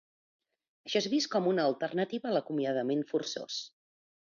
Això és vist com una alternativa a l'acomiadament forçós.